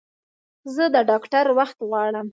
زه د ډاکټر وخت غواړم